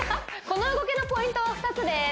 この動きのポイントは２つです